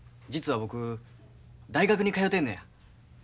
実は僕大学に通てんのや。